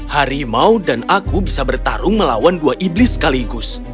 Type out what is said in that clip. harimau dan aku bisa bertarung melawan dua iblis sekaligus